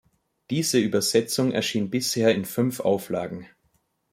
Diese Übersetzung erschien bisher in fünf Auflagen.